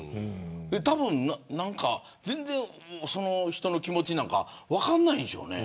たぶん全然人の気持ちなんか分からないんでしょうね。